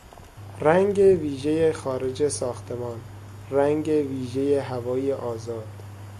رنگ ویژهی خارج ساختمان، رنگ ویژهی هوای آزاد